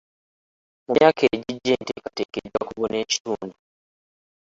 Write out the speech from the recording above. Mu myaka egijja enteekateeka ejja kubuna ekitundu.